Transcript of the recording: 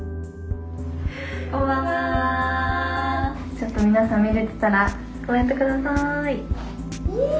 ちょっと皆さん見れてたらコメント下さい。